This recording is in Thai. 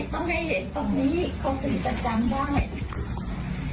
ต้องให้เห็นตรงนี้เขาถึงจะจำได้